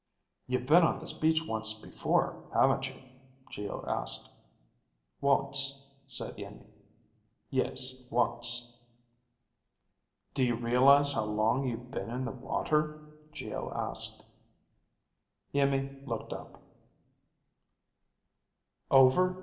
"You've been on this beach once before, haven't you?" Geo asked. "Once," said Iimmi. "Yes, once." "Do you realize how long you've been in the water?" Geo asked. Iimmi looked up.